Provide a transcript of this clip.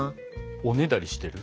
おねだりしてる？